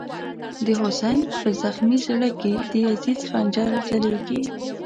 د «حسین» په زغمی زړه کی، د یزید خنجر ځلیږی